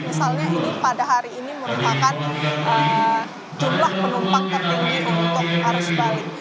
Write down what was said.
misalnya ini pada hari ini merupakan jumlah penumpang tertinggi untuk arus balik